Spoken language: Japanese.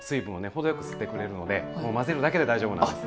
程よく吸ってくれるので混ぜるだけで大丈夫なんです。